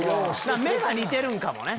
目が似てるんかもね。